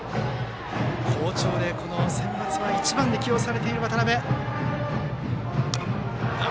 好調で、センバツは１番で起用されている渡邊。